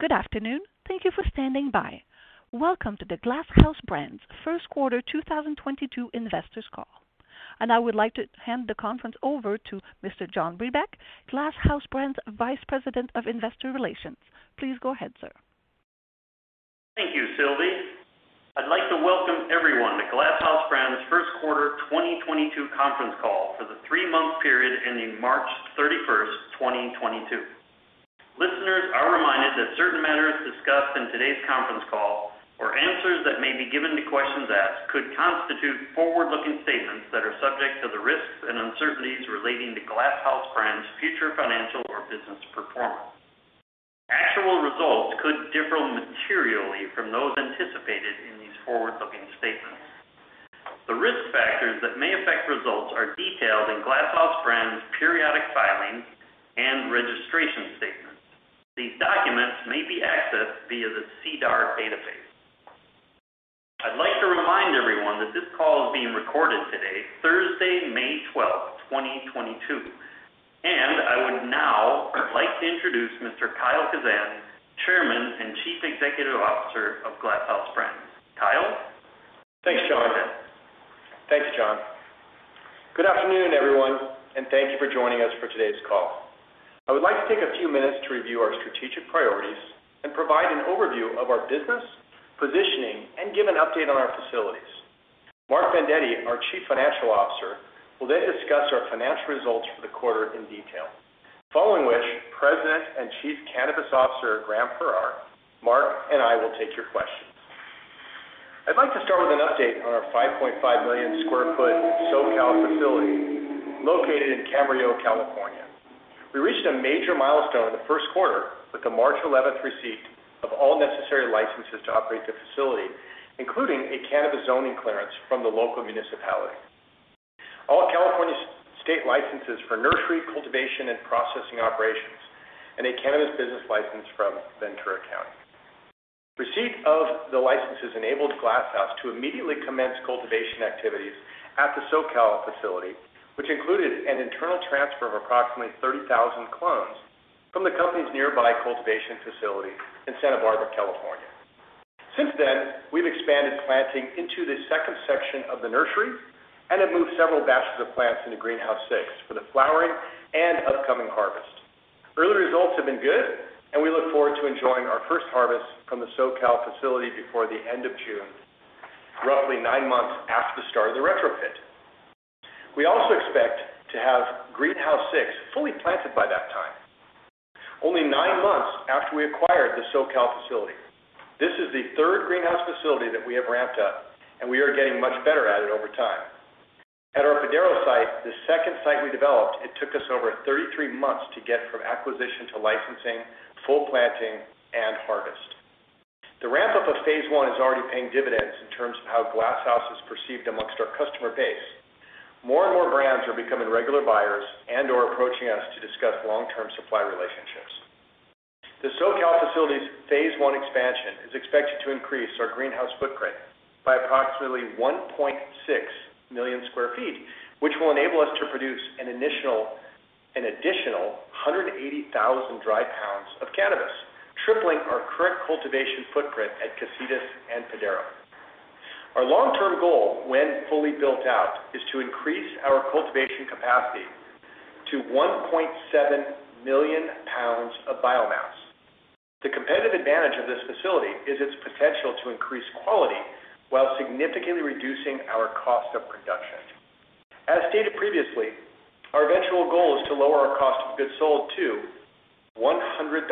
Good afternoon. Thank you for standing by. Welcome to the Glass House Brands Q1 2022 Investors Call. I would like to hand the conference over to Mr. John Brebeck, Glass House Brands' Vice President of Investor Relations. Please go ahead, sir. Thank you, Sylvie. I'd like to welcome everyone to Glass House Brands Q1 2022 conference call for the three-month period ending March 31st, 2022. Listeners are reminded that certain matters discussed in today's conference call or answers that may be given to questions asked could constitute forward-looking statements that are subject to the risks and uncertainties relating to Glass House Brands future financial or business performance. Actual results could differ materially from those anticipated in these forward-looking statements. The risk factors that may affect results are detailed in Glass House Brands periodic filings and registration statements. These documents may be accessed via the SEDAR database. I'd like to remind everyone that this call is being recorded today, Thursday, May 12, 2022. I would now like to introduce Mr. Kyle Kazan, Chairman and Chief Executive Officer of Glass House Brands. Kyle. Thanks, John. Good afternoon, everyone, and thank you for joining us for today's call. I would like to take a few minutes to review our strategic priorities and provide an overview of our business, positioning, and give an update on our facilities. Mark Vendetti, our Chief Financial Officer, will then discuss our financial results for the quarter in detail. Following which, President and Chief Cannabis Officer, Graham Farrar, Mark and I will take your questions. I'd like to start with an update on our 5.5 million sq ft SoCal facility located in Camarillo, California. We reached a major milestone in the Q1 with the March 11th receipt of all necessary licenses to operate the facility, including a cannabis zoning clearance from the local municipality. All California state licenses for nursery, cultivation, and processing operations, and a cannabis business license from Ventura County. Receipt of the licenses enabled Glass House to immediately commence cultivation activities at the SoCal facility, which included an internal transfer of approximately 30,000 clones from the company's nearby cultivation facility in Santa Barbara, California. Since then, we've expanded planting into the second section of the nursery and have moved several batches of plants into Greenhouse Six for the flowering and upcoming harvest. Early results have been good, and we look forward to enjoying our first harvest from the SoCal facility before the end of June, roughly nine months after the start of the retrofit. We also expect to have Greenhouse Six fully planted by that time, only nine months after we acquired the SoCal facility. This is the third greenhouse facility that we have ramped up, and we are getting much better at it over time. At our Padaro site, the second site we developed, it took us over 33 months to get from acquisition to licensing, full planting, and harvest. The ramp-up of phase one is already paying dividends in terms of how Glass House is perceived among our customer base. More and more brands are becoming regular buyers and/or approaching us to discuss long-term supply relationships. The SoCal facility's phase I expansion is expected to increase our greenhouse footprint by approximately 1.6 million sq ft, which will enable us to produce an additional 180,000 dry lbs of cannabis, tripling our current cultivation footprint at Casitas and Padaro. Our long-term goal, when fully built out, is to increase our cultivation capacity to 1.7 million lbs of biomass. The competitive advantage of this facility is its potential to increase quality while significantly reducing our cost of production. As stated previously, our eventual goal is to lower our cost of goods sold to $100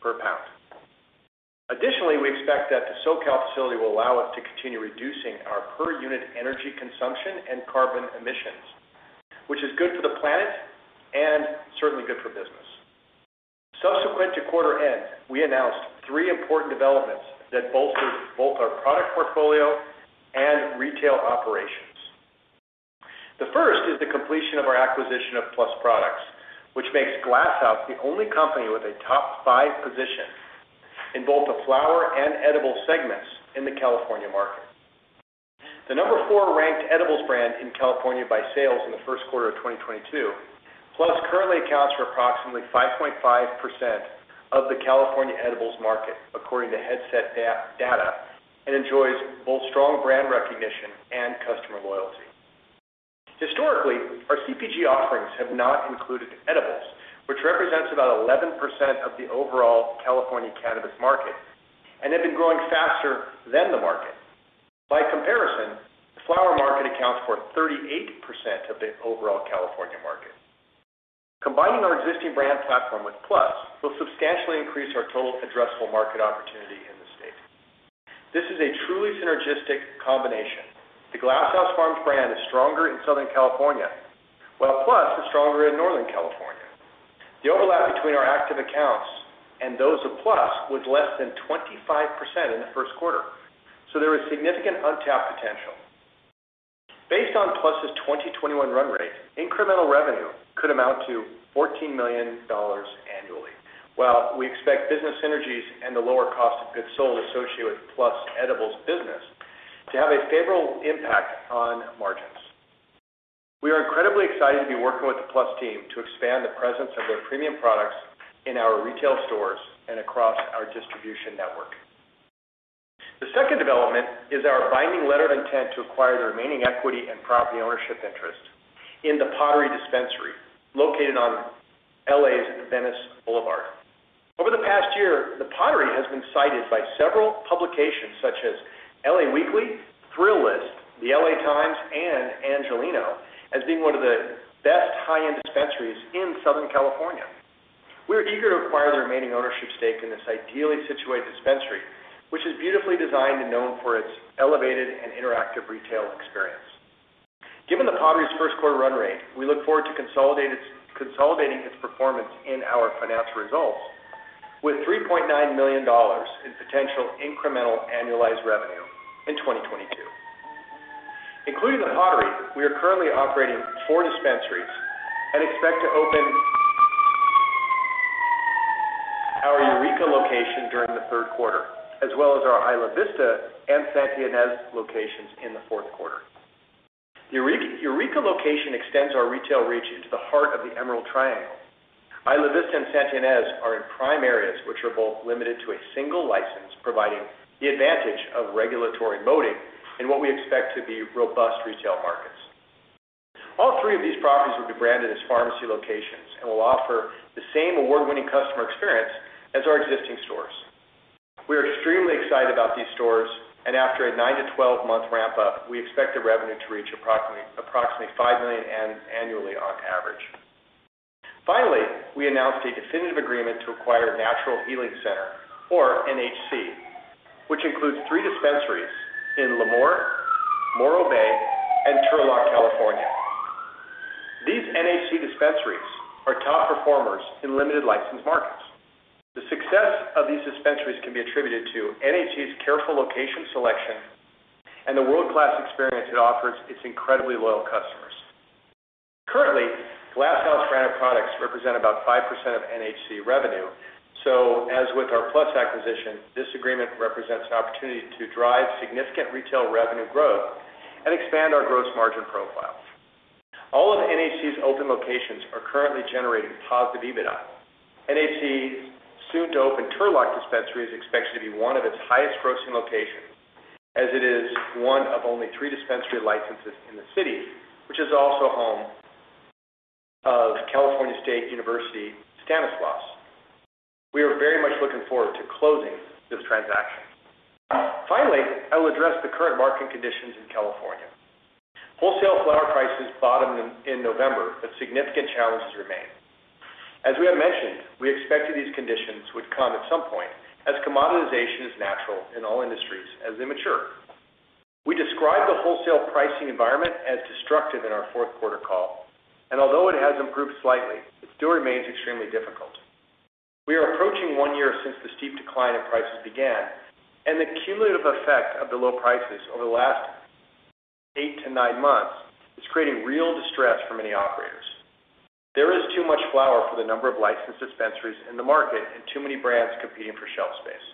per lbs. Additionally, we expect that the SoCal facility will allow us to continue reducing our per unit energy consumption and carbon emissions, which is good for the planet and certainly good for business. Subsequent to quarter end, we announced three important developments that bolster both our product portfolio and retail operations. The first is the completion of our acquisition of PLUS Products, which makes Glass House the only company with a top five position in both the flower and edible segments in the California market. The number four ranked edibles brand in California by sales in the Q1 of 2022. PLUS currently accounts for approximately 5.5% of the California edibles market, according to Headset data, and enjoys both strong brand recognition and customer loyalty. Historically, our CPG offerings have not included edibles, which represents about 11% of the overall California cannabis market and have been growing faster than the market. By comparison, the flower market accounts for 38% of the overall California market. Combining our existing brand platform with PLUS will substantially increase our total addressable market opportunity in the state. This is a truly synergistic combination. The Glass House Farms brand is stronger in Southern California, while PLUS is stronger in Northern California. The overlap between our active accounts and those of PLUS was less than 25% in the Q1. There is significant untapped potential. Based on PLUS's 2021 run rate, incremental revenue could amount to $14 million annually, while we expect business synergies and the lower cost of goods sold associated with PLUS edibles business to have a favorable impact on margins. We are incredibly excited to be working with the PLUS team to expand the presence of their premium products in our retail stores and across our distribution network. The second development is our binding letter of intent to acquire the remaining equity and property ownership interest in The Pottery dispensary located on L.A.'s Venice Boulevard. Over the past year, The Pottery has been cited by several publications such as L.A. Weekly, Thrillist, the L.A. Times, and Angeleno as being one of the best high-end dispensaries in Southern California. We are eager to acquire the remaining ownership stake in this ideally situated dispensary, which is beautifully designed and known for its elevated and interactive retail experience. Given The Pottery's Q1 run rate, we look forward to consolidating its performance in our financial results with $3.9 million in potential incremental annualized revenue in 2022. Including The Pottery, we are currently operating four dispensaries and expect to open our Eureka location during the Q3, as well as our Isla Vista and Santa Ynez locations in the Q4. The Eureka location extends our retail reach into the heart of the Emerald Triangle. Isla Vista and Santa Ynez are in prime areas which are both limited to a single license, providing the advantage of regulatory moating in what we expect to be robust retail markets. All three of these properties will be branded as pharmacy locations and will offer the same award-winning customer experience as our existing stores. We are extremely excited about these stores, and after a nine to 12-month ramp-up, we expect the revenue to reach approximately $5 million annually on average. Finally, we announced a definitive agreement to acquire Natural Healing Center, or NHC, which includes three dispensaries in Lemoore, Morro Bay, and Turlock, California. These NHC dispensaries are top performers in limited license markets. The success of these dispensaries can be attributed to NHC's careful location selection and the world-class experience it offers its incredibly loyal customers. Currently, Glass House branded products represent about 5% of NHC revenue. As with our PLUS acquisition, this agreement represents an opportunity to drive significant retail revenue growth and expand our gross margin profile. All of NHC's open locations are currently generating positive EBITDA. NHC's soon-to-open Turlock dispensary is expected to be one of its highest-grossing locations, as it is one of only three dispensary licenses in the city, which is also home of California State University, Stanislaus. We are very much looking forward to closing this transaction. Finally, I will address the current market conditions in California. Wholesale flower prices bottomed in November, but significant challenges remain. As we have mentioned, we expected these conditions would come at some point, as commoditization is natural in all industries as they mature. We describe the wholesale pricing environment as destructive in our Q4 call, and although it has improved slightly, it still remains extremely difficult. We are approaching one year since the steep decline in prices began, and the cumulative effect of the low prices over the last eight to nine months is creating real distress for many operators. There is too much flower for the number of licensed dispensaries in the market and too many brands competing for shelf space.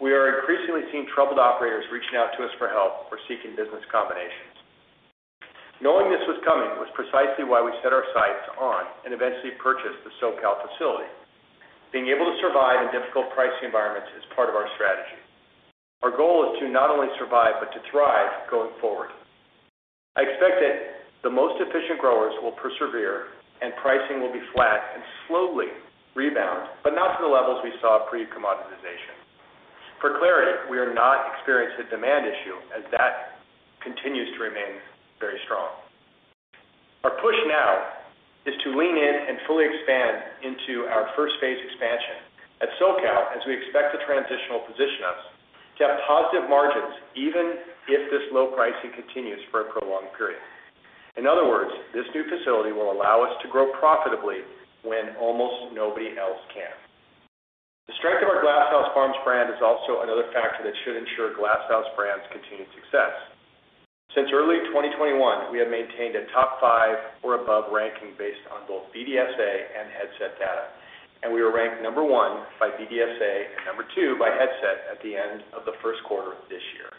We are increasingly seeing troubled operators reaching out to us for help or seeking business combinations. Knowing this was coming was precisely why we set our sights on and eventually purchased the SoCal facility. Being able to survive in difficult pricing environments is part of our strategy. Our goal is to not only survive, but to thrive going forward. I expect that the most efficient growers will persevere and pricing will be flat and slowly rebound, but not to the levels we saw pre-commoditization. For clarity, we are not experiencing a demand issue as that continues to remain very strong. Our push now is to lean in and fully expand into our first-phase expansion at SoCal as we expect to transitionally position us to have positive margins even if this low pricing continues for a prolonged period. In other words, this new facility will allow us to grow profitably when almost nobody else can. The strength of our Glass House Farms brand is also another factor that should ensure Glass House Brands' continued success. Since early 2021, we have maintained a top five or above ranking based on both BDSA and Headset data, and we were ranked number one by BDSA and number two by Headset at the end of the Q1 of this year.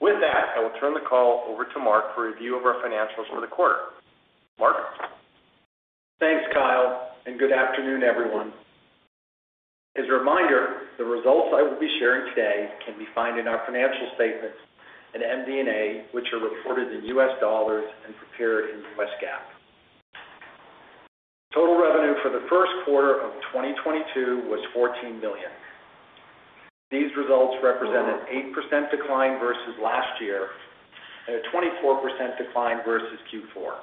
With that, I will turn the call over to Mark for review of our financials for the quarter. Mark? Thanks, Kyle, and good afternoon, everyone. As a reminder, the results I will be sharing today can be found in our financial statements at MD&A, which are reported in U.S. dollars and prepared in U.S. GAAP. Total revenue for the Q1 of 2022 was $14 million. These results represent an 8% decline versus last year and a 24% decline versus Q4.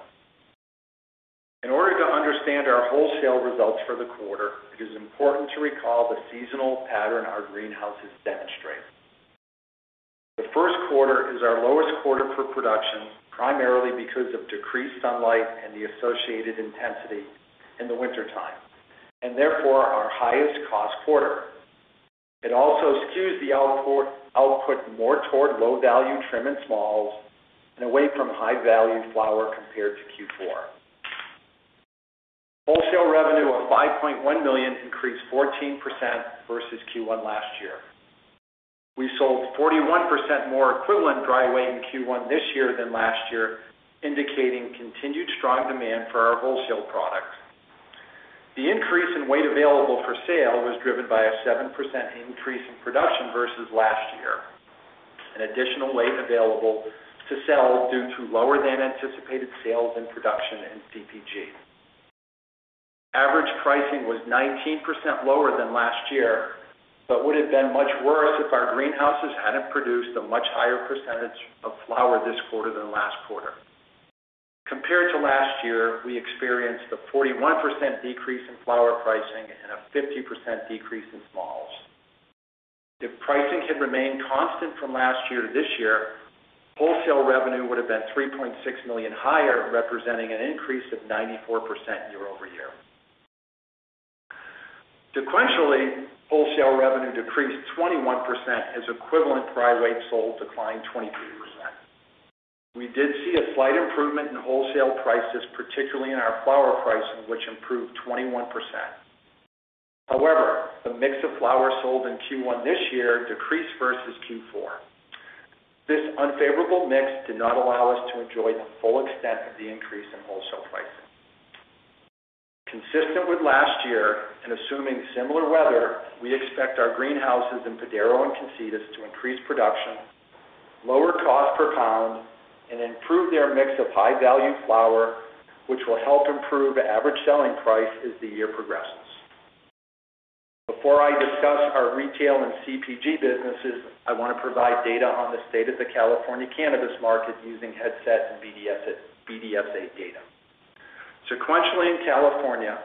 In order to understand our wholesale results for the quarter, it is important to recall the seasonal pattern our greenhouses demonstrate. The Q1 is our lowest quarter for production, primarily because of decreased sunlight and the associated intensity in the wintertime, and therefore our highest cost quarter. It also skews the output more toward low-value trim and smalls and away from high-value flower compared to Q4. Wholesale revenue of $5.1 million increased 14% versus Q1 last year. We sold 41% more equivalent dry weight in Q1 this year than last year, indicating continued strong demand for our wholesale products. The increase in weight available for sale was driven by a 7% increase in production versus last year. An additional weight available to sell due to lower than anticipated sales and production in CPG. Average pricing was 19% lower than last year, but would have been much worse if our greenhouses hadn't produced a much higher percentage of flower this quarter than last quarter. Compared to last year, we experienced a 41% decrease in flower pricing and a 50% decrease in smalls. If pricing had remained constant from last year to this year, wholesale revenue would have been $3.6 million higher, representing an increase of 94% year-over-year. Sequentially, wholesale revenue decreased 21% as equivalent dry weight sold declined 23%. We did see a slight improvement in wholesale prices, particularly in our flower pricing, which improved 21%. However, the mix of flowers sold in Q1 this year decreased versus Q4. This unfavorable mix did not allow us to enjoy the full extent of the increase in wholesale pricing. Consistent with last year and assuming similar weather, we expect our greenhouses in Padaro and Casitas to increase production, lower cost per pound, and improve their mix of high-value flower, which will help improve average selling price as the year progresses. Before I discuss our retail and CPG businesses, I want to provide data on the state of the California cannabis market using Headset and BDSA data. Sequentially in California,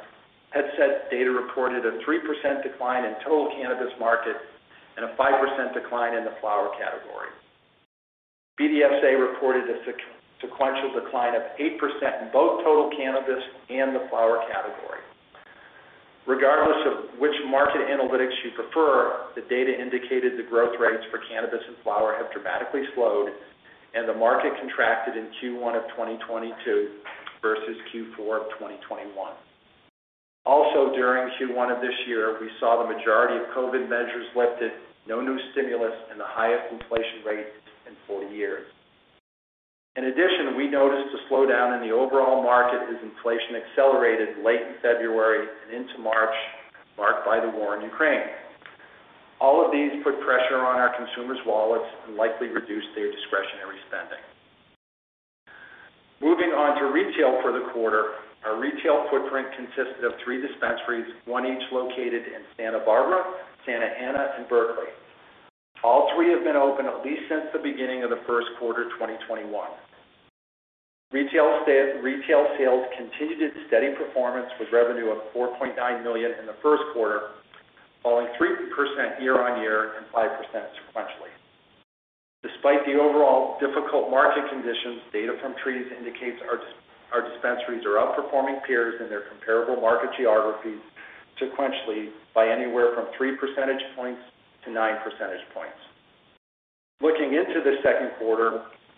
Headset data reported a 3% decline in total cannabis market and a 5% decline in the flower category. BDSA reported a sequential decline of 8% in both total cannabis and the flower category. Regardless of which market analytics you prefer, the data indicated the growth rates for cannabis and flower have dramatically slowed, and the market contracted in Q1 of 2022 versus Q4 of 2021. Also during Q1 of this year, we saw the majority of COVID measures lifted, no new stimulus, and the highest inflation rates in 40 years. In addition, we noticed a slowdown in the overall market as inflation accelerated late in February and into March, marked by the war in Ukraine. All of these put pressure on our consumers' wallets and likely reduced their discretionary spending. Moving on to retail for the quarter, our retail footprint consisted of three dispensaries, one each located in Santa Barbara, Santa Ana, and Berkeley. All three have been open at least since the beginning of the Q1 2021. Retail sales continued its steady performance with revenue of $4.9 million in the Q1, falling 3% year-over-year and 5% sequentially. Despite the overall difficult market conditions, data from Treez indicates our dispensaries are outperforming peers in their comparable market geographies sequentially by anywhere from three percentage points to nine percentage points. Looking into the Q2,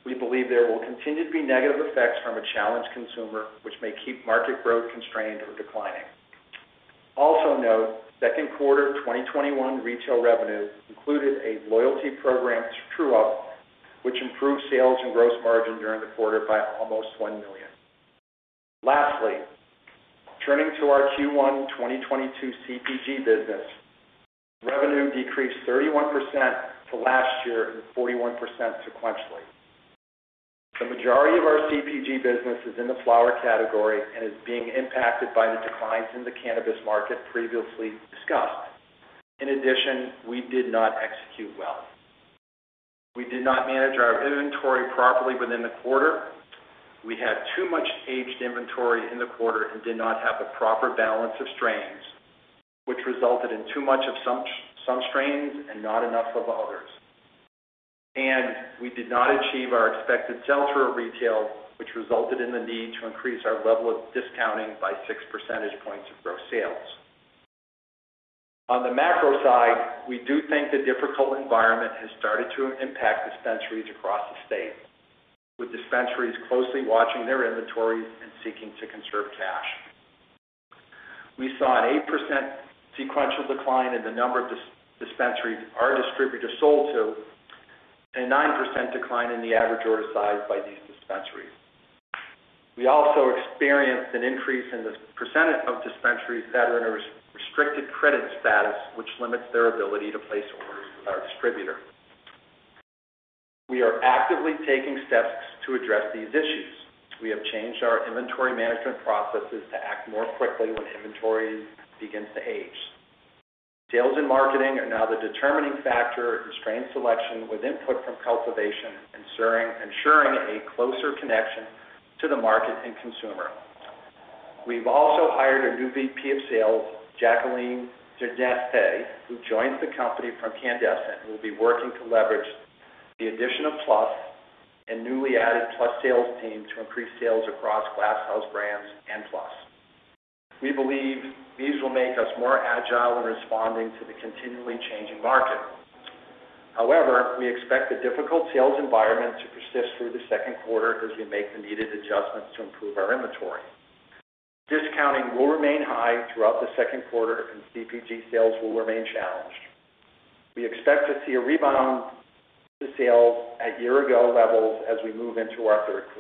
we believe there will continue to be negative effects from a challenged consumer, which may keep market growth constrained or declining. Also note, Q2 2021 retail revenues included a loyalty program true-up, which improved sales and gross margin during the quarter by almost $1 million. Lastly, turning to our Q1 2022 CPG business, revenue decreased 31% to last year and 41% sequentially. The majority of our CPG business is in the flower category and is being impacted by the declines in the cannabis market previously discussed. In addition, we did not execute well. We did not manage our inventory properly within the quarter. We had too much aged inventory in the quarter and did not have the proper balance of strains, which resulted in too much of some strains and not enough of others. We did not achieve our expected sell-through at retail, which resulted in the need to increase our level of discounting by six percentage points of gross sales. On the macro side, we do think the difficult environment has started to impact dispensaries across the state, with dispensaries closely watching their inventories and seeking to conserve cash. We saw an 8% sequential decline in the number of dispensaries our distributor sold to and a 9% decline in the average order size by these dispensaries. We also experienced an increase in the percentage of dispensaries that are in a restricted credit status, which limits their ability to place orders with our distributor. We are actively taking steps to address these issues. We have changed our inventory management processes to act more quickly when inventory begins to age. Sales and marketing are now the determining factor in strain selection with input from cultivation, ensuring a closer connection to the market and consumer. We've also hired a new VP of Sales, Jacqueline de Ginestet, who joined the company from Canndescent and will be working to leverage the addition of PLUS and newly added PLUS sales team to increase sales across Glass House Brands and PLUS. We believe these will make us more agile in responding to the continually changing market. However, we expect the difficult sales environment to persist through the Q2 as we make the needed adjustments to improve our inventory. Discounting will remain high throughout the Q2 and CPG sales will remain challenged. We expect to see a rebound to sales at year ago levels as we move into our Q3.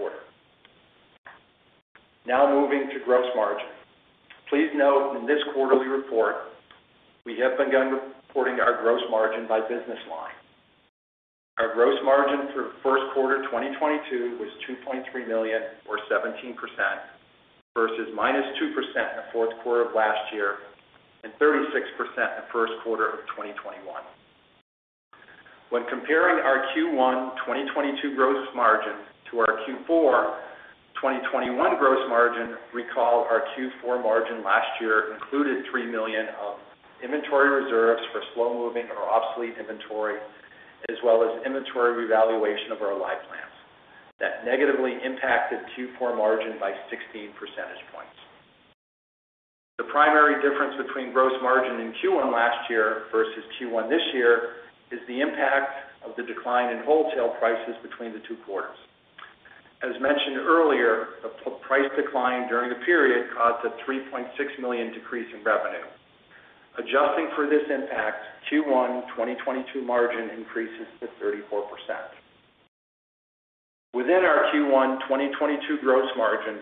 Now moving to gross margin. Please note in this quarterly report, we have begun reporting our gross margin by business line. Our gross margin for Q1 2022 was $2.3 million or 17% versus -2% in the Q4 of last year and 36% in the Q1 of 2021. When comparing our Q1 2022 gross margin to our Q4 2021 gross margin, recall our Q4 margin last year included $3 million of inventory reserves for slow-moving or obsolete inventory, as well as inventory revaluation of our live plants. That negatively impacted Q4 margin by 16 percentage points. The primary difference between gross margin in Q1 last year versus Q1 this year is the impact of the decline in wholesale prices between the two quarters. As mentioned earlier, the price decline during the period caused a $3.6 million decrease in revenue. Adjusting for this impact, Q1 2022 margin increases to 34%. Within our Q1 2022 gross margin,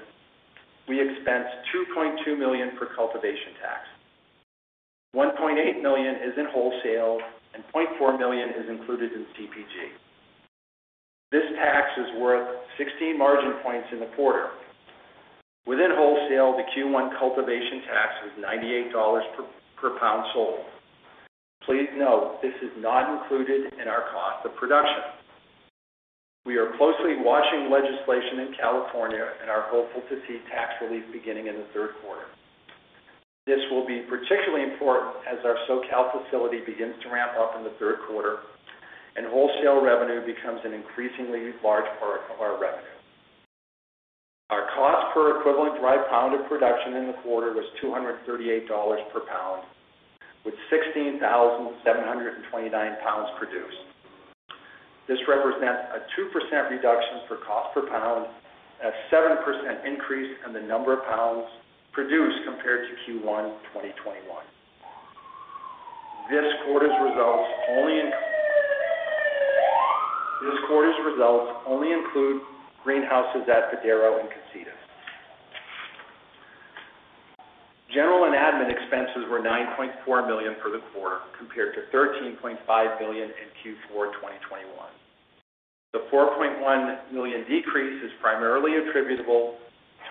we expensed $2.2 million for cultivation tax. $1.8 million is in wholesale and $0.4 million is included in CPG. This tax is worth 16 margin points in the quarter. Within wholesale, the Q1 cultivation tax was $98 per lbs sold. Please note, this is not included in our cost of production. We are closely watching legislation in California and are hopeful to see tax relief beginning in the Q3. This will be particularly important as our SoCal facility begins to ramp up in the Q3 and wholesale revenue becomes an increasingly large part of our revenue. Our cost per equivalent dry pound of production in the quarter was $238 per pound, with 16,729 lbs produced. This represents a 2% reduction for cost per pound, a 7% increase in the number of pounds produced compared to Q1 2021. This quarter's results only include greenhouses at Padaro and Casitas. General and admin expenses were $9.4 million for the quarter, compared to $13.5 million in Q4 2021. The $4.1 million decrease is primarily attributable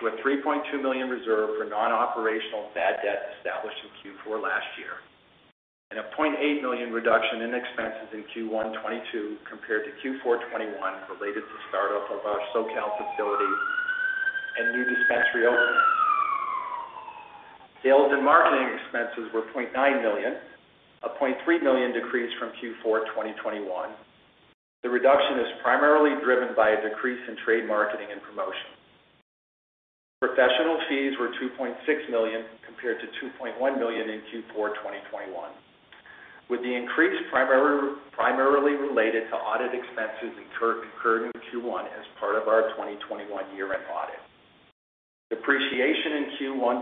to a $3.2 million reserve for non-operational bad debt established in Q4 last year, and a $0.8 million reduction in expenses in Q1 2022 compared to Q4 2021 related to startup of our SoCal facility and new dispensary openings. Sales and marketing expenses were $0.9 million, a $0.3 million decrease from Q4 2021. The reduction is primarily driven by a decrease in trade marketing and promotion. Professional fees were $2.6 million, compared to $2.1 million in Q4 2021, with the increase primarily related to audit expenses incurred in Q1 as part of our 2021 year-end audit. Depreciation in Q1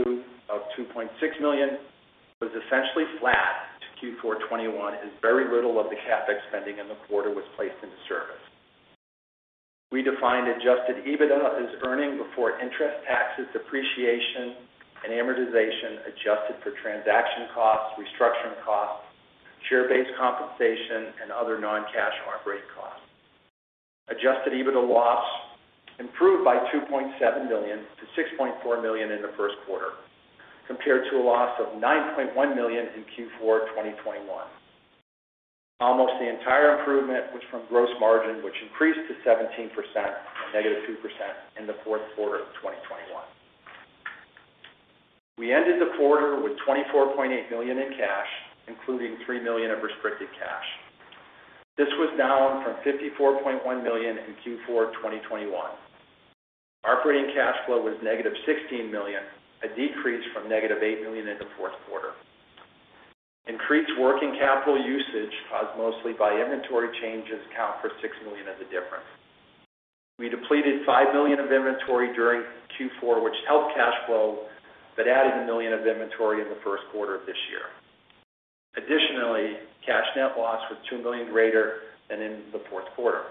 2022 of $2.6 million was essentially flat to Q4 2021 as very little of the CapEx spending in the quarter was placed into service. We defined adjusted EBITDA as earnings before interest, taxes, depreciation, and amortization, adjusted for transaction costs, restructuring costs, share-based compensation, and other non-cash operating costs. Adjusted EBITDA loss improved by $2.7 million to $6.4 million in the Q1, compared to a loss of $9.1 million in Q4 2021. Almost the entire improvement was from gross margin, which increased to 17% and negative 2% in the Q4 of 2021. We ended the quarter with $24.8 million in cash, including $3 million of restricted cash. This was down from $54.1 million in Q4 2021. Operating cash flow was negative $16 million, a decrease from negative $8 million in the Q4. Increased working capital usage, caused mostly by inventory changes account for $6 million of the difference. We depleted $5 million of inventory during Q4, which helped cash flow, but added $1 million of inventory in the Q1 of this year. Additionally, cash net loss was $2 million greater than in the Q4.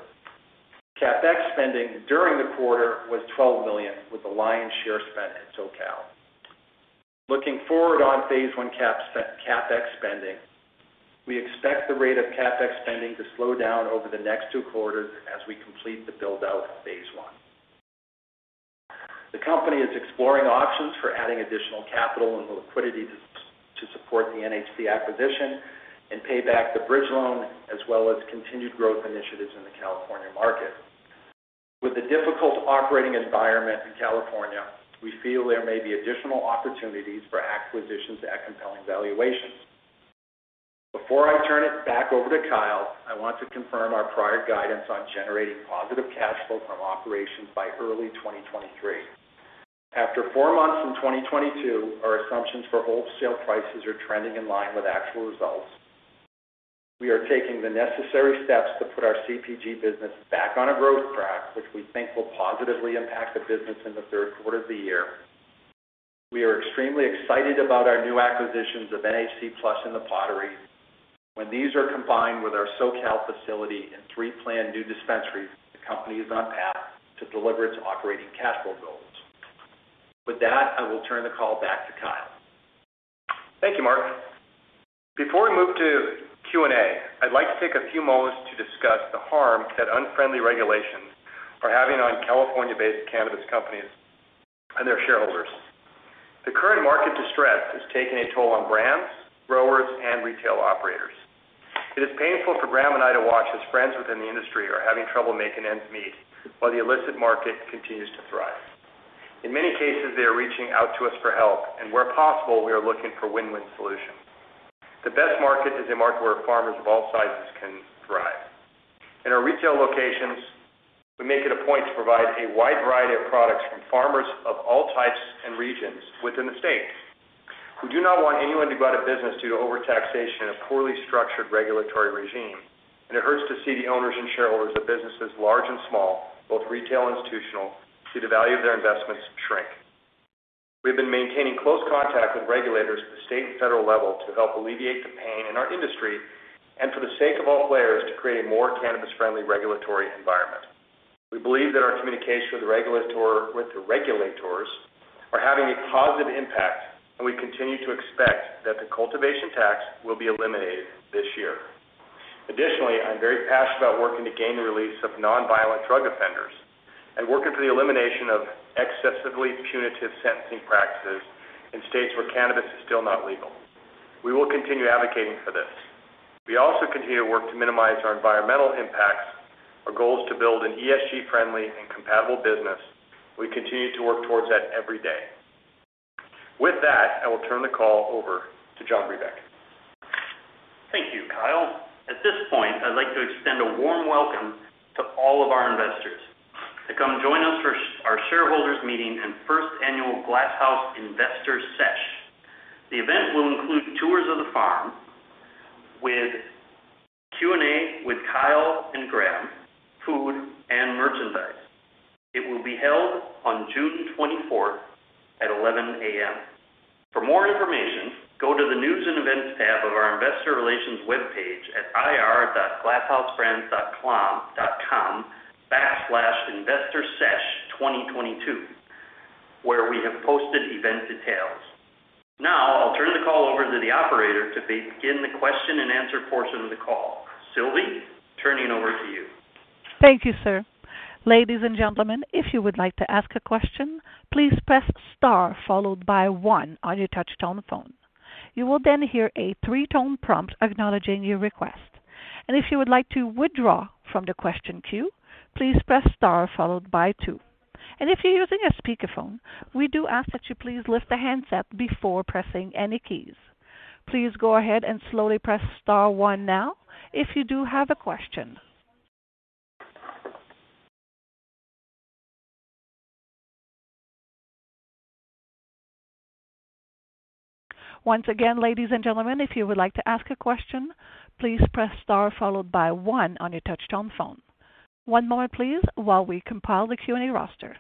CapEx spending during the quarter was $12 million, with the lion's share spent in SoCal. Looking forward on phase I CapEx spending, we expect the rate of CapEx spending to slow down over the next two quarters as we complete the build-out of phase I. The company is exploring options for adding additional capital and liquidity to support the NHC acquisition and pay back the bridge loan, as well as continued growth initiatives in the California market. With the difficult operating environment in California, we feel there may be additional opportunities for acquisitions at compelling valuations. Before I turn it back over to Kyle, I want to confirm our prior guidance on generating positive cash flow from operations by early 2023. After four months in 2022, our assumptions for wholesale prices are trending in line with actual results. We are taking the necessary steps to put our CPG business back on a growth track, which we think will positively impact the business in the Q3 of the year. We are extremely excited about our new acquisitions of NHC, PLUS, and The Pottery. When these are combined with our SoCal facility and three planned new dispensaries, the company is on path to deliver its operating cash flow goals. With that, I will turn the call back to Kyle. Thank you, Mark. Before we move to Q&A, I'd like to take a few moments to discuss the harm that unfriendly regulations are having on California-based cannabis companies and their shareholders. The current market distress has taken a toll on brands, growers, and retail operators. It is painful for Graham and I to watch as friends within the industry are having trouble making ends meet while the illicit market continues to thrive. In many cases, they are reaching out to us for help, and where possible, we are looking for win-win solutions. The best market is a market where farmers of all sizes can thrive. In our retail locations, we make it a point to provide a wide variety of products from farmers of all types and regions within the state. We do not want anyone to go out of business due to overtaxation and a poorly structured regulatory regime. It hurts to see the owners and shareholders of businesses large and small, both retail institutional, see the value of their investments shrink. We've been maintaining close contact with regulators at the state and federal level to help alleviate the pain in our industry and for the sake of all players, to create a more cannabis-friendly regulatory environment. We believe that our communication with the regulators are having a positive impact, and we continue to expect that the cultivation tax will be eliminated this year. Additionally, I'm very passionate about working to gain the release of non-violent drug offenders and working for the elimination of excessively punitive sentencing practices in states where cannabis is still not legal. We will continue advocating for this. We also continue to work to minimize our environmental impacts. Our goal is to build an ESG-friendly and compatible business. We continue to work towards that every day. With that, I will turn the call over to John Brebeck. Thank you, Kyle. At this point, I'd like to extend a warm welcome to all of our investors to come join us for our shareholders meeting and First Annual Glass House Investor Sesh. The event will include tours of the farm with Q&A with Kyle and Graham, food, and merchandise. It will be held on June 24th at 11 A.M. For more information, go to the News and Events tab of our Investor Relations webpage at ir.glasshousebrands.com/investors event 2022, where we have posted event details. Now I'll turn the call over to the operator to begin the question-and-answer portion of the call. Sylvie, turning it over to you. Thank you, sir. Ladies and gentlemen, if you would like to ask a question, please press star followed by one on your touchtone phone. You will then hear a three-tone prompt acknowledging your request. If you would like to withdraw from the question queue, please press star followed by two. If you're using a speakerphone, we do ask that you please lift the handset before pressing any keys. Please go ahead and slowly press star one now if you do have a question. Once again, ladies and gentlemen, if you would like to ask a question, please press star followed by one on your touchtone phone. One moment, please, while we compile the Q&A roster.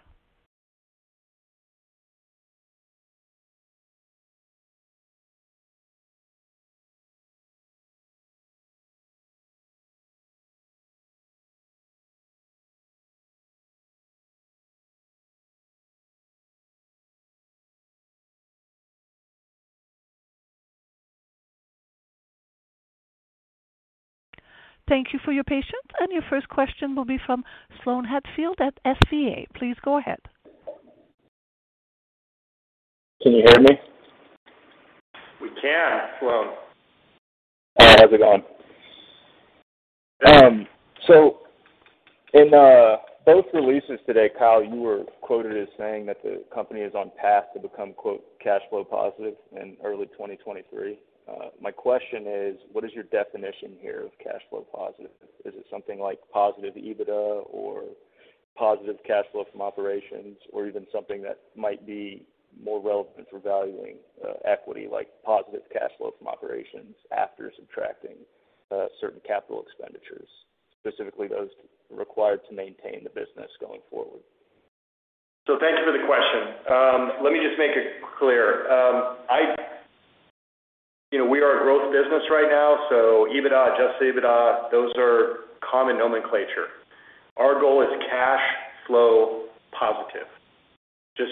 Thank you for your patience. Your first question will be from Sloan Hatfield at SVA. Please go ahead. Can you hear me? We can, Sloan. How's it going? In both releases today, Kyle, you were quoted as saying that the company is on path to become, quote, "cash flow positive in early 2023." My question is: What is your definition here of cash flow positive? Is it something like positive EBITDA or positive cash flow from operations or even something that might be more relevant for valuing equity, like positive cash flow from operations after subtracting certain capital expenditures, specifically those required to maintain the business going forward? Thank you for the question. Let me just make it clear. You know, we are a growth business right now, so EBITDA, adjusted EBITDA, those are common nomenclature. Our goal is cash flow positive. As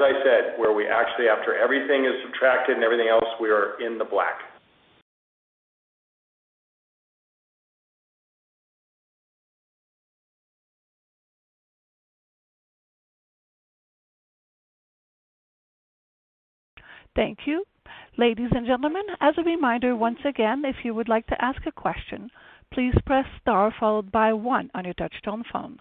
I said, where we actually, after everything is subtracted and everything else, we are in the black. Thank you. Ladies and gentlemen, as a reminder, once again, if you would like to ask a question, please press star followed by one on your touch-tone phone.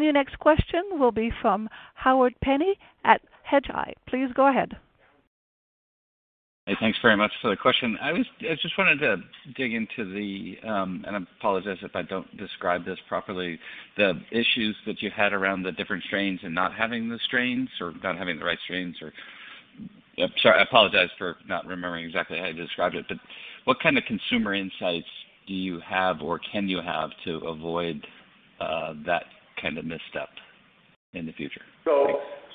Your next question will be from Howard Penney at Hedgeye. Please go ahead. Hey, thanks very much for the question. I just wanted to dig into the, and I apologize if I don't describe this properly, the issues that you had around the different strains and not having the right strains. Sorry, I apologize for not remembering exactly how you described it, but what kind of consumer insights do you have or can you have to avoid that kind of misstep in the future?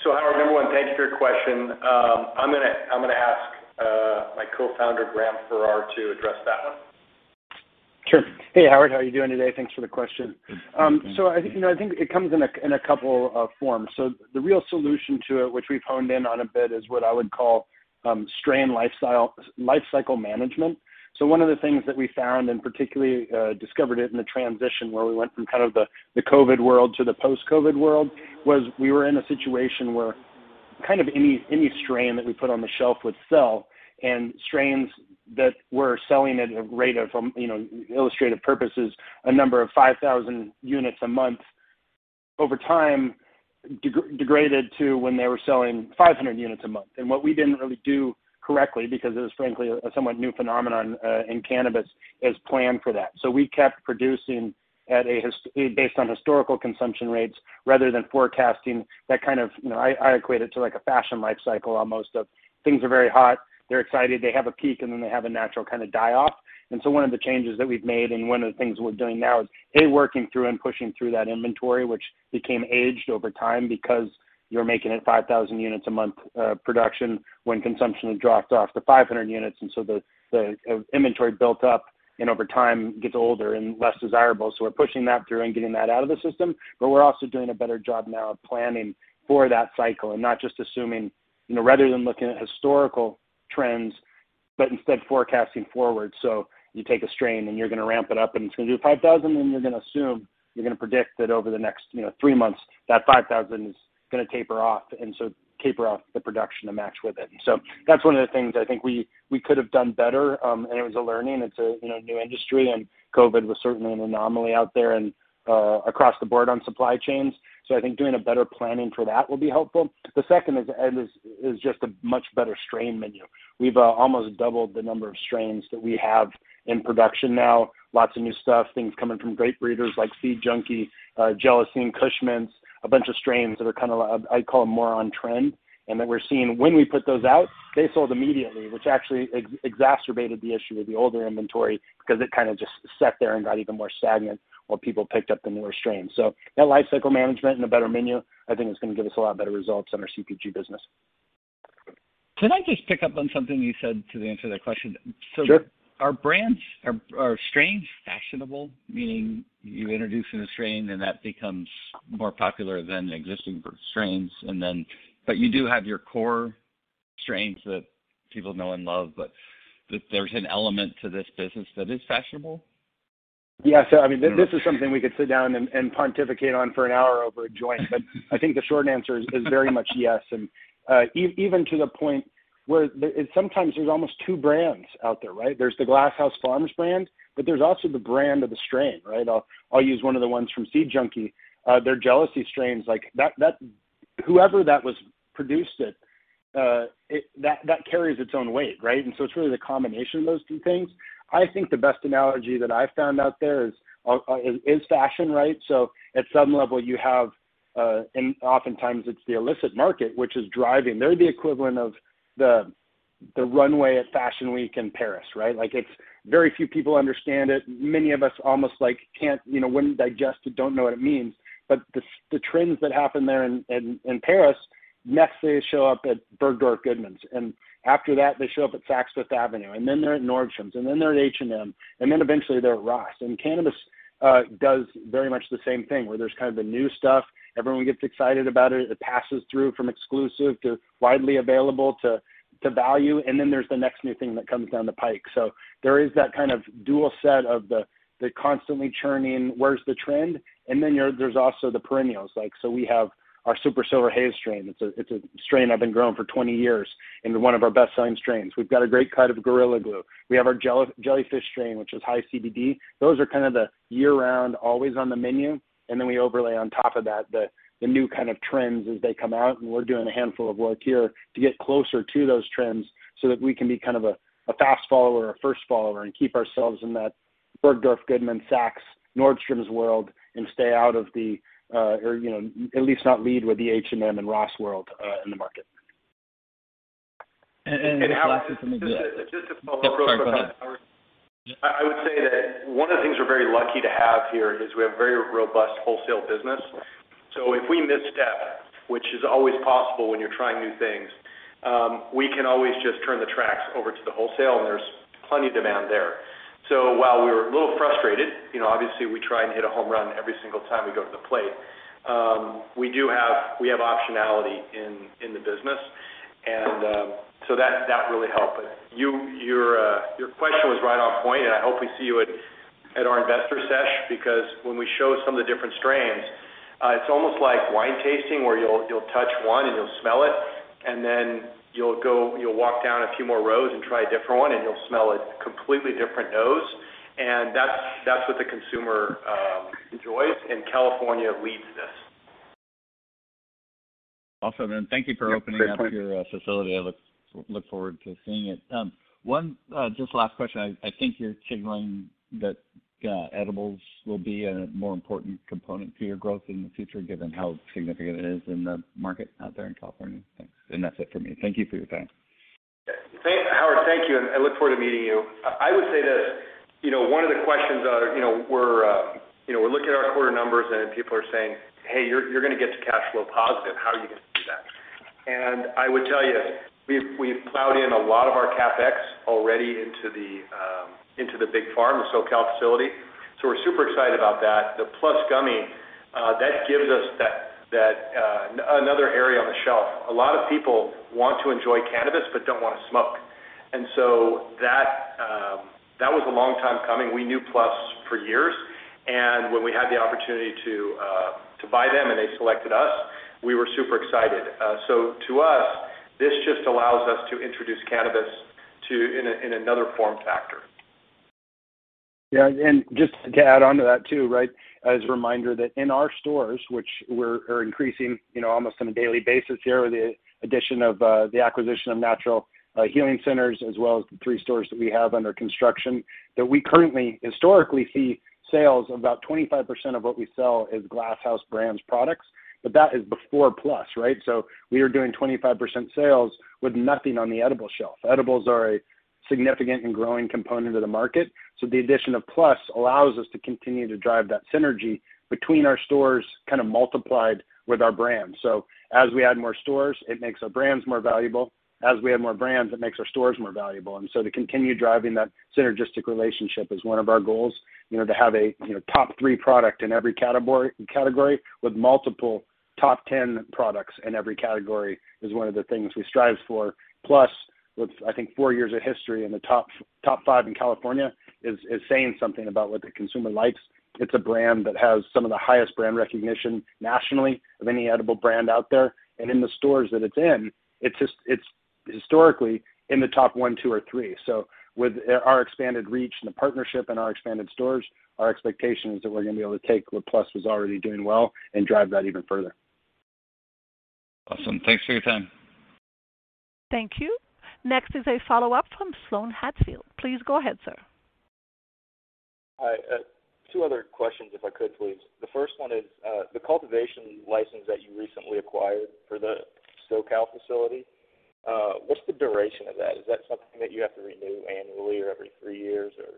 Howard, number one, thank you for your question. I'm gonna ask my co-founder, Graham Farrar, to address that one. Sure. Hey, Howard, how are you doing today? Thanks for the question. I think, you know, it comes in a couple of forms. The real solution to it, which we've honed in on a bit, is what I would call strain life cycle management. One of the things that we found, and particularly discovered it in the transition where we went from kind of the COVID world to the post-COVID world, was we were in a situation where kind of any strain that we put on the shelf would sell, and strains that were selling at a rate of, you know, illustrative purposes, a number of 5,000 units a month over time degraded to when they were selling 500 units a month. What we didn't really do correctly, because it was frankly a somewhat new phenomenon in cannabis, is plan for that. We kept producing based on historical consumption rates rather than forecasting that kind of, you know, I equate it to, like, a fashion life cycle almost of things are very hot, they're excited, they have a peak, and then they have a natural kind of die-off. One of the changes that we've made and one of the things we're doing now is, A, working through and pushing through that inventory, which became aged over time because you're making it 5,000 units a month production, when consumption had dropped off to 500 units. The inventory built up, and over time gets older and less desirable. We're pushing that through and getting that out of the system, but we're also doing a better job now of planning for that cycle and not just assuming, you know, rather than looking at historical trends, but instead forecasting forward. You take a strain, and you're gonna ramp it up, and it's gonna do 5,000, and you're gonna assume, you're gonna predict that over the next, you know, three months, that 5,000 is gonna taper off, and so taper off the production to match with it. That's one of the things I think we could have done better, and it was a learning. It's a, you know, new industry, and COVID was certainly an anomaly out there and, across the board on supply chains. I think doing a better planning for that will be helpful. The second is just a much better strain menu. We've almost doubled the number of strains that we have in production now. Lots of new stuff, things coming from great breeders like Seed Junky, Jealousy, Kush Mints, a bunch of strains that are kind of, I'd call more on-trend, and that we're seeing when we put those out, they sold immediately, which actually exacerbated the issue of the older inventory because it kind of just sat there and got even more stagnant while people picked up the newer strains. That life cycle management and a better menu, I think is gonna give us a lot better results on our CPG business. Can I just pick up on something you said to answer that question? Sure. Are strains fashionable? Meaning you introduce a new strain, and that becomes more popular than existing strains, you do have your core strains that people know and love, but there's an element to this business that is fashionable? Yeah. I mean, this is something we could sit down and pontificate on for an hour over a joint. I think the short answer is very much yes. Even to the point where sometimes there's almost two brands out there, right? There's the Glass House Farms brand, but there's also the brand of the strain, right? I'll use one of the ones from Seed Junky. Their Jealousy strains, whoever produced it, that carries its own weight, right? It's really the combination of those two things. I think the best analogy that I found out there is fashion, right? At some level, you have, and oftentimes it's the illicit market which is driving. They're the equivalent of the runway at Fashion Week in Paris, right? Like, it's very few people understand it. Many of us almost, like, can't, you know, wouldn't digest it, don't know what it means. The trends that happen there in Paris, next day show up at Bergdorf Goodman, and after that, they show up at Saks Fifth Avenue, and then they're at Nordstrom, and then they're at H&M, and then eventually they're at Ross. Cannabis does very much the same thing, where there's kind of the new stuff, everyone gets excited about it. It passes through from exclusive to widely available to value, and then there's the next new thing that comes down the pike. There is that kind of dual set of the constantly churning, where's the trend? Then there's also the perennials. Like, we have our Super Silver Haze strain. It's a strain I've been growing for 20 years and one of our best-selling strains. We've got a great cut of Gorilla Glue. We have our Jellyfish strain, which is high CBD. Those are kind of the year-round, always on the menu. Then we overlay on top of that the new kind of trends as they come out, and we're doing a handful of work here to get closer to those trends so that we can be kind of a fast follower or a first follower and keep ourselves in that Bergdorf Goodman, Saks, Nordstrom's world and stay out of the, or, you know, at least not lead with the H&M and Ross world, in the market. Just lastly for me... [inaudible] just to follow up real quick on- I would say that one of the things we're very lucky to have here is we have very robust wholesale business. If we misstep, which is always possible when you're trying new things, we can always just turn the tracks over to the wholesale, and there's plenty of demand there. While we're a little frustrated, you know, obviously we try and hit a home run every single time we go to the plate, we have optionality in the business. That really helped. Your question was right on point. I hope we see you at our investor sesh because when we show some of the different strains, it's almost like wine tasting, where you'll touch one and you'll smell it, and then you'll walk down a few more rows and try a different one, and you'll smell a completely different nose. That's what the consumer enjoys and California leads this. Awesome. Thank you for opening up your facility. I look forward to seeing it. One just last question. I think you're signaling that edibles will be a more important component to your growth in the future given how significant it is in the market out there in California. Thanks. That's it for me. Thank you for your time. Howard, thank you, and I look forward to meeting you. I would say that, you know, one of the questions, you know, we're looking at our quarter numbers and people are saying, "Hey, you're gonna get to cash flow positive, how are you gonna do that?" I would tell you, we've plowed in a lot of our CapEx already into the big farm, the SoCal facility, so we're super excited about that. The PLUS gummy, that gives us that, another area on the shelf. A lot of people want to enjoy cannabis but don't wanna smoke. That was a long time coming. We knew PLUS for years, and when we had the opportunity to buy them and they selected us, we were super excited. To us, this just allows us to introduce cannabis in another form factor. Yeah. Just to add onto that too, right? As a reminder that in our stores, which we are increasing, you know, almost on a daily basis here with the addition of the acquisition of Natural Healing Centers, as well as the three stores that we have under construction, that we currently historically see sales of about 25% of what we sell is Glass House Brands products, but that is before PLUS, right? We are doing 25% sales with nothing on the edible shelf. Edibles are a significant and growing component of the market, so the addition of PLUS allows us to continue to drive that synergy between our stores kind of multiplied with our brands. As we add more stores, it makes our brands more valuable. As we add more brands, it makes our stores more valuable. To continue driving that synergistic relationship is one of our goals, you know, to have a, you know, top three product in every category with multiple top ten products in every category is one of the things we strive for. PLUS, with, I think, four years of history in the top five in California is saying something about what the consumer likes. It's a brand that has some of the highest brand recognition nationally of any edible brand out there. In the stores that it's in, it's just, it's historically in the top one, two or three. With our expanded reach and the partnership and our expanded stores, our expectation is that we're gonna be able to take what PLUS was already doing well and drive that even further. Awesome. Thanks for your time. Thank you. Next is a follow-up from Sloan Hatfield. Please go ahead, sir. Hi. Two other questions if I could please. The first one is, the cultivation license that you recently acquired for the SoCal facility, what's the duration of that? Is that something that you have to renew annually or every three years or,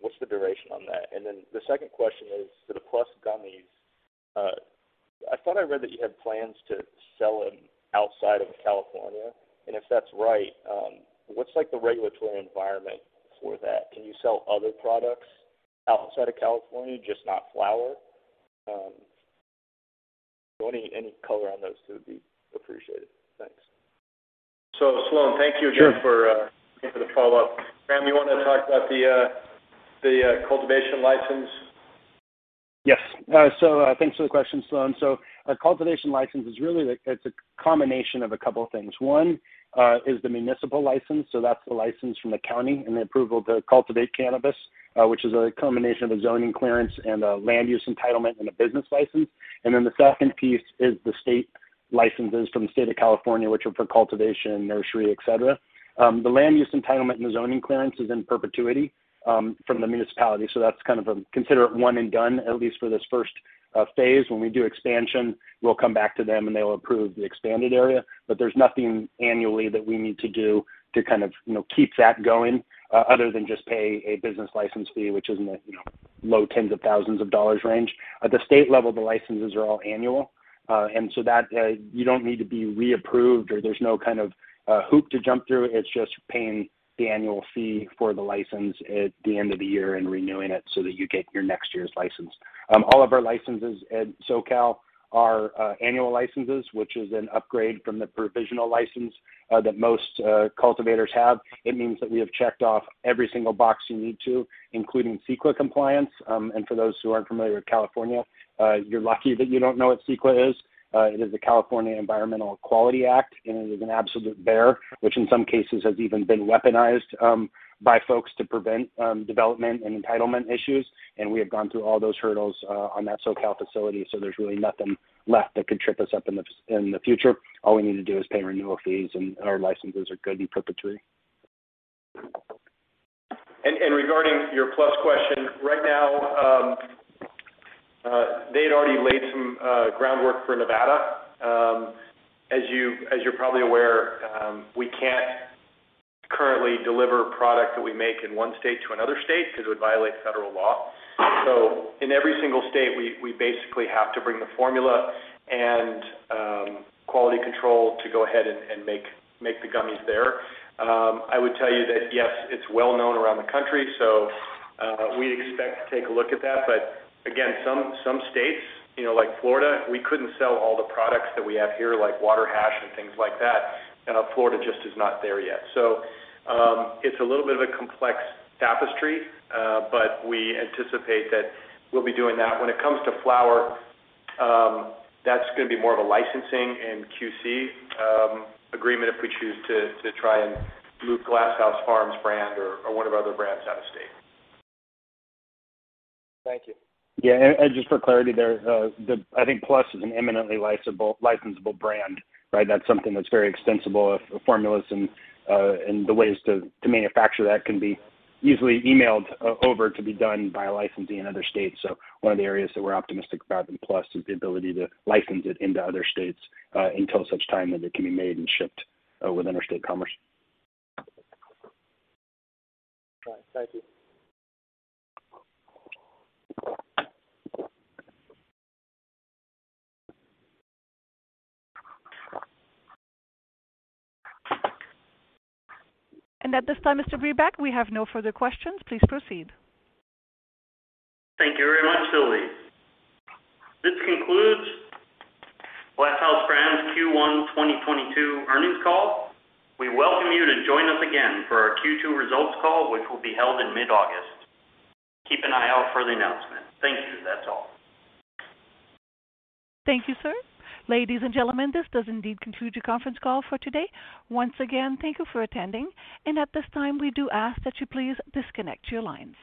what's the duration on that? And then the second question is to the PLUS gummies. I thought I read that you had plans to sell them outside of California. And if that's right, what's like the regulatory environment for that? Can you sell other products outside of California, just not flower? Any color on those two would be appreciated. Thanks. Sloan, thank you again for the follow-up. Graham, you wanna talk about the cultivation license? Yes. Thanks for the question, Sloan. A cultivation license is really like, it's a combination of a couple of things. One is the municipal license, so that's the license from the county and the approval to cultivate cannabis, which is a combination of a zoning clearance and a land use entitlement and a business license. Then the second piece is the state licenses from the state of California, which are for cultivation, nursery, et cetera. The land use entitlement and the zoning clearance is in perpetuity from the municipality, so that's kind of, consider it one and done at least for this first phase. When we do expansion, we'll come back to them, and they will approve the expanded area. There's nothing annually that we need to do to kind of, you know, keep that going other than just pay a business license fee, which is in the, you know, low tens of thousands of dollars range. At the state level, the licenses are all annual. That you don't need to be reapproved or there's no kind of hoop to jump through. It's just paying the annual fee for the license at the end of the year and renewing it so that you get your next year's license. All of our licenses at SoCal are annual licenses, which is an upgrade from the provisional license that most cultivators have. It means that we have checked off every single box you need to, including CEQA compliance. For those who aren't familiar with California, you're lucky that you don't know what CEQA is. It is the California Environmental Quality Act, and it is an absolute bear, which in some cases has even been weaponized by folks to prevent development and entitlement issues. We have gone through all those hurdles on that SoCal facility, so there's really nothing left that could trip us up in the future. All we need to do is pay renewal fees and our licenses are good in perpetuity. Regarding your PLUS question, right now, they had already laid some groundwork for Nevada. As you're probably aware, we can't currently deliver product that we make in one state to another state 'cause it would violate federal law. In every single state, we basically have to bring the formula and quality control to go ahead and make the gummies there. I would tell you that yes, it's well-known around the country, we expect to take a look at that. But again, some states, you know, like Florida, we couldn't sell all the products that we have here like water hash and things like that. Florida just is not there yet. It's a little bit of a complex tapestry, but we anticipate that we'll be doing that. When it comes to flower, that's gonna be more of a licensing and QC agreement if we choose to try and move Glass House Farms brand or one of our other brands out of state. Thank you. Just for clarity there, I think PLUS is an imminently licensable brand, right? That's something that's very extensible if the formulas and the ways to manufacture that can be easily emailed over to be done by a licensee in other states. One of the areas that we're optimistic about in PLUS is the ability to license it into other states, until such time that it can be made and shipped with interstate commerce. All right. Thank you. At this time, Mr. Brebeck, we have no further questions. Please proceed. Thank you very much, Sylvie. This concludes Glass House Brands Q1 2022 earnings call. We welcome you to join us again for our Q2 results call, which will be held in mid-August. Keep an eye out for the announcement. Thank you. That's all. Thank you, sir. Ladies and gentlemen, this does indeed conclude your conference call for today. Once again, thank you for attending. At this time, we do ask that you please disconnect your lines.